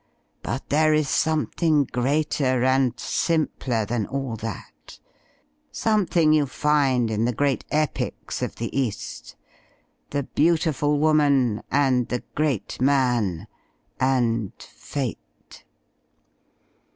But there is something greater and simpler than all that; something you find in the great epics of the East — the beautiful woman, and the great man, and Fate."